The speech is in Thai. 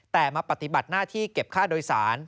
แต่มาปฏิบัติหน้าที่เก็บค่าโดยสาร